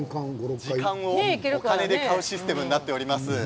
時間を、お金で買うシステムになっています。